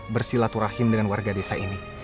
bersilaturahim dengan warga desa ini